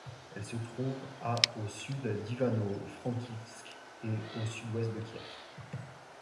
Elle se trouve à au sud d'Ivano-Frankivsk et à au sud-ouest de Kiev.